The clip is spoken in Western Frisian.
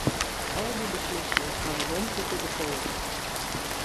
Al dy beslissingen hawwe romtlike gefolgen.